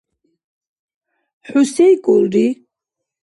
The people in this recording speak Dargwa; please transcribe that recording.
ХӀу сейкӀулри?!